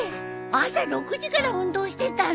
朝６時から運動してたの？